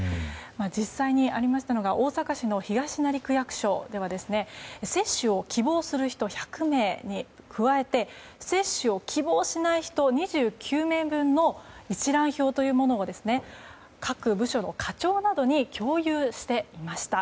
実際にありましたのが大阪市の東成区役所では接種を希望する人１００名に加えて接種を希望しない人２９名分の一覧表というものを各部署の課長などに共有していました。